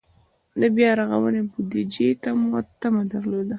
د بیا رغونې بودجې ته مو تمه درلوده.